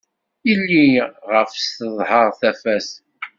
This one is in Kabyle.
Yelli ɣef-s teḍher tafat.